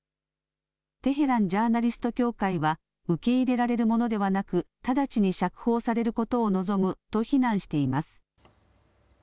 テヘラン・ジャーナリスト協会は受け入れられるものではなく直ちに釈放されることを望むと非難しています。